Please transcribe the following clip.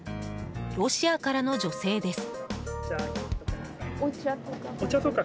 ロシアからの女性です。